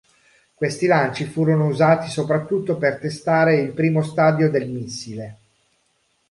Questi lanci furono usati soprattutto per testare il primo stadio del missile.